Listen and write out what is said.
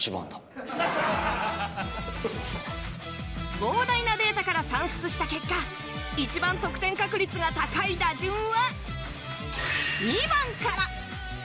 膨大なデータから算出した結果、一番得点確率が高い打順は２番から。